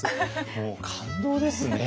もう感動ですね。